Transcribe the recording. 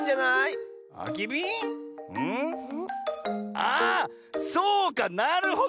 ああっそうかなるほど！